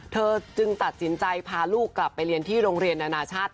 เธอจึงตัดสินใจพาลูกกลับไปเรียนที่โรงเรียนนานาชาติ